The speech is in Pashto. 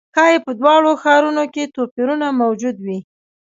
ښايي په دواړو ښارونو کې توپیرونه موجود وي.